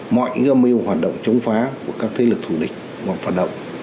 mọi gâm mưu hoạt động chống phá của các thế lực thủ địch hoặc phạt động